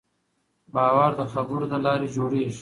باور د خبرو له لارې جوړېږي.